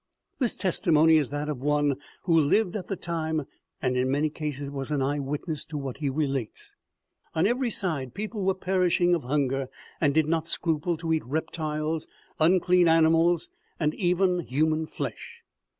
This testimony is that of one who lived at the time and in many cases was an eye witness to what he relates. On every side people were perishing of hunger, and did not scruple to eat reptiles, unclean animals, and even human flesh.